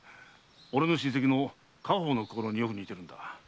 俺の親戚の家宝の香炉によく似てるんだ。